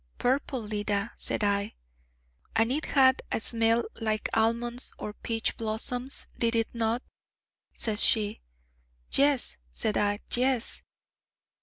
'Purple, Leda,' said I. 'And it had a smell like almonds or peach blossoms, did it not?' says she. 'Yes,' said I, 'yes.'